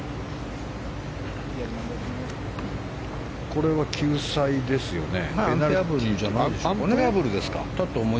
これは救済ですよね。